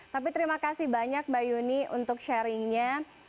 tapi terima kasih banyak mbak yuni untuk sharingnya